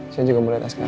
saya juga mau liat askara